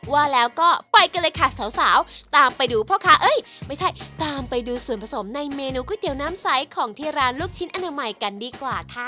ว่าแล้วก็ไปกันเลยค่ะสาวตามไปดูพ่อค้าเอ้ยไม่ใช่ตามไปดูส่วนผสมในเมนูก๋วยเตี๋ยวน้ำใสของที่ร้านลูกชิ้นอนามัยกันดีกว่าค่ะ